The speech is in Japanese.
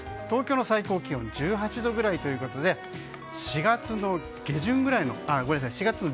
東京の最高気温１８度ぐらいということで４月の上旬ぐらい。